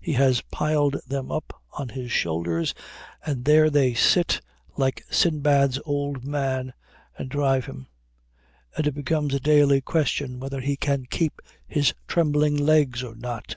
He has piled them up on his shoulders, and there they sit like Sindbad's Old Man and drive him; and it becomes a daily question whether he can keep his trembling legs or not.